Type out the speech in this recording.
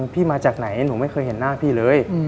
มาจากไหนหนูไม่เคยเห็นหน้าพี่เลย